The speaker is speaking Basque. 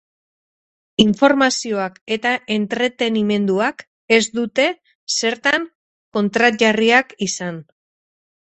Informazioak eta entretenimenduak ez dute zertan kontrajarriak izan.